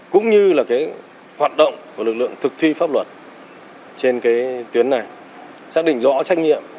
cũng như là cái hoạt động của lực lượng thực thi pháp luật trên cái tuyến này xác định rõ trách nhiệm